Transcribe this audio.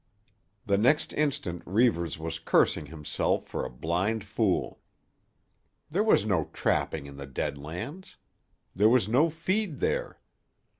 The next instant Reivers was cursing himself for a blind fool. There was no trapping in the Dead Lands. There was no feed there.